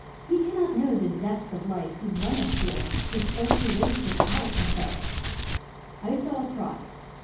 He cannot know The zest of life who runneth here His earthly race without a foe. I saw a prize.